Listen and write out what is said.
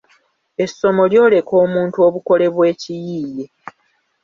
Essomo lyoleka omuntu obukole bw’ekiyiiye